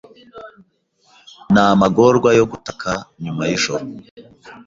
Namagorwa yo gutaka Nyuma yijoro